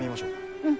うん。